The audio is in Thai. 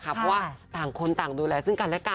คือว่าสั่งคนสั่งดูแลซึ่งกันและกัน